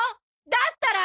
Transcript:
だったら。